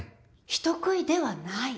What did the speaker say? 人食いではない？